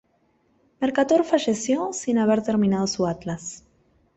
Mercator falleció sin haber terminado su atlas.